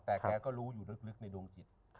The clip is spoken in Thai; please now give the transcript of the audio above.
แต่แกก็รู้อยู่ลึกในดวงจิต